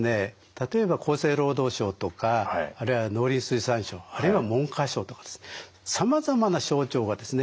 例えば厚生労働省とかあるいは農林水産省あるいは文科省とかですさまざまな省庁がですね